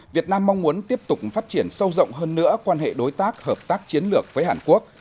việt nam mong muốn tiếp tục phát triển sâu rộng hơn nữa quan hệ đối tác hợp tác chiến lược với hàn quốc